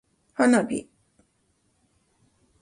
花火